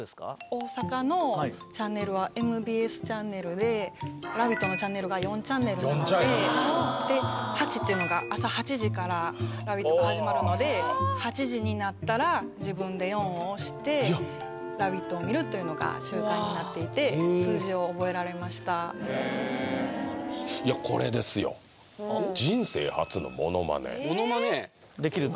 大阪のチャンネルはＭＢＳチャンネルで「ラヴィット！」のチャンネルが４チャンネルなのでで「８」っていうのが朝８時から「ラヴィット！」が始まるので８時になったら自分で４を押して「ラヴィット！」を見るというのが習慣になっていて数字を覚えられましたいやこれですよできるの？